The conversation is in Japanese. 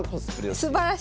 すばらしい！